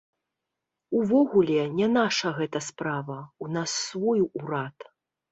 Увогуле, не наша гэта справа, у нас свой урад.